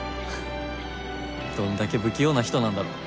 どんだけ不器用な人なんだろう。